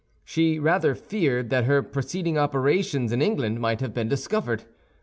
She rather feared that her preceding operations in England might have been discovered.